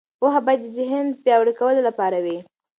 پوهه باید د ذهن د پیاوړي کولو لپاره وي.